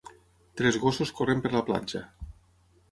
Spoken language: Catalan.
Tres gossos corren per la platja.